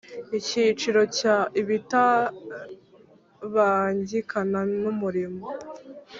Icyiciro cya ibitabangikana n umurimo